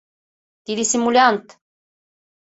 Тиде симулянт.